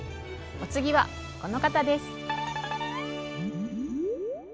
お次はこの方です！